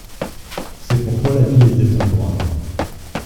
C’est pourquoi l’avis est défavorable.